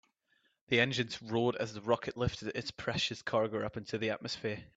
The engines roared as the rocket lifted its precious cargo up into the atmosphere.